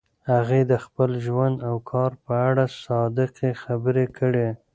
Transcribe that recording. هغې د خپل ژوند او کار په اړه صادقې خبرې کړي.